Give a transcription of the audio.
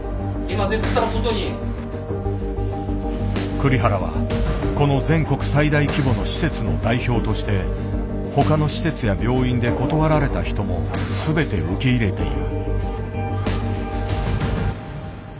栗原はこの全国最大規模の施設の代表として他の施設や病院で断られた人も全て受け入れている。